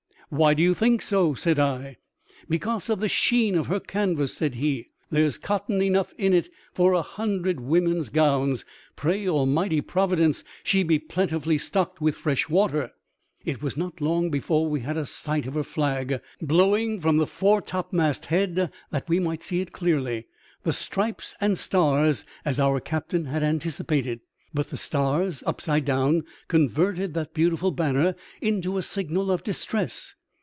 "Why do you think so ?" said L "Because of the sheen of her canvas," said he; "there's cotton enough in it for a hundred women's gowns. Pray Almighty Providence she be plentifully stocked with fresh water." It was not long before we had a sight of her flag 52 THIRST! AN OCEAN INCIDENT. blowing from the foretopmast head, that we might see it clearly; the stripes and stars, as our captain had anticipated ! but the stars upside down, converting the beautiful banner into a signal of distress.